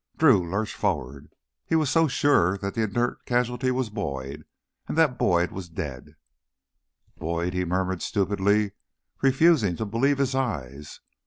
Drew lurched forward. He was so sure that that inert casualty was Boyd, and that Boyd was dead. "Boyd " he murmured stupidly, refusing to believe his eyes.